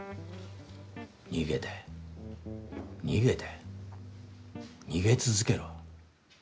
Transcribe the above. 逃げて、逃げて、逃げ続けろ。